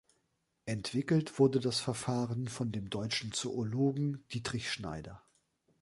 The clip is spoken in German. Entwickelt wurde das Verfahren von dem deutschen Zoologen Dietrich Schneider.